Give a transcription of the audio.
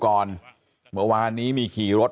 บอกแล้วบอกแล้วบอกแล้ว